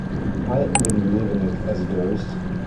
I wouldn't live in it as a ghost.